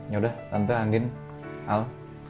yaudah tante angin al